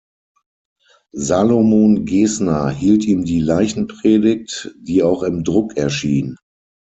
Salomon Gesner hielt ihm die Leichenpredigt, die auch im Druck erschien.